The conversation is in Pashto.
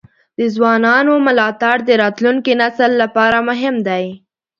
د ځوانانو ملاتړ د راتلونکي نسل لپاره مهم دی.